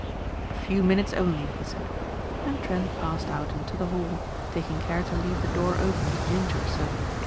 "A few minutes only," he said and Trent passed out into the hall taking care to leave the door opened an inch or so.